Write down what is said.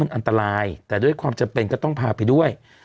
มันคือการปล่อยปละละเลยมันคือการไม่ควบคุมดูแลเรื่องของการจราจรให้ปลอดภัย